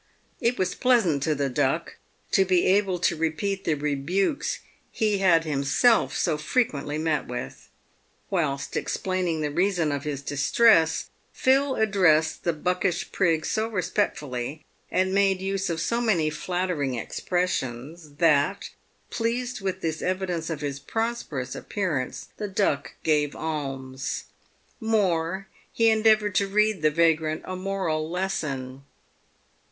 It was pleasant to the Duck to be able to repeat the rebukes he had himself so frequently met with. Whilst explaining the reason of his distress, Phil addressed the buckish prig so respectfully, and made use of so many flattering expressions, that, pleased with this evidence of his prosperous appearance, the Duck gave alms. More, he endea voured to read the vagrant a moral lesson.